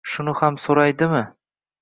Shuni ham so`raydimi